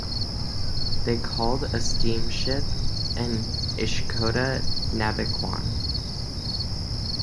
They called a steam ship an ishcoda nabequon.